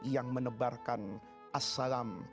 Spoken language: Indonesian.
yang menebarkan assalam